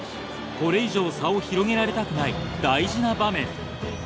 これ以上差を広げられたくない大事な場面。